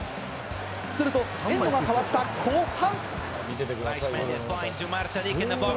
するとエンドが変わった後半。